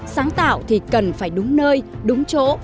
sáng tạo thì cần phải đúng nơi đúng chỗ